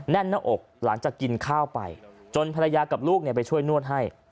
แน่นหน้าอกหลังจากกินข้าวไปจนภรรยากับลูกไปช่วยนวดให้